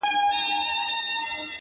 ګټه نسي کړلای دا دي بهانه ده-